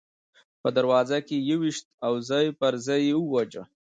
په دروازه کې یې وویشت او ځای پر ځای یې وواژه.